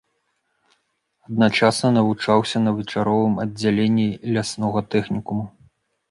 Адначасна навучаўся на вечаровым аддзяленні ляснога тэхнікуму.